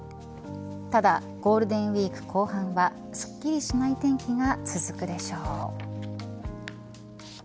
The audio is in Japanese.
ただ、ゴールデンウイーク後半はすっきりしない天気が続くでしょう。